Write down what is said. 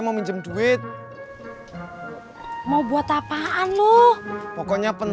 soalnya aku sudah n troy ngajek